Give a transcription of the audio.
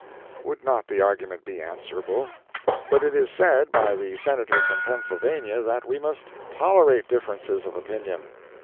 Would not the argument be answerable? But it is said by the Senator from Pennsylvania that we must tolerate differences of opinion.